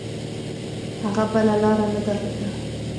هغه بله لاره نه درلوده.